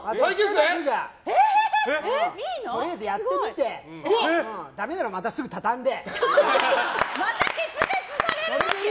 とりあえずやってみてダメならまたすぐ畳んで。